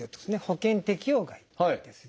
保険適用外です。